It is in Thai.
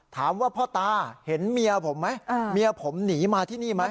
ถามว่าพ่อตาเห็นเมียผมไหมเมียผมหนีมาที่นี่ไหม